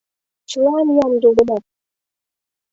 — Чылан ямде улына!..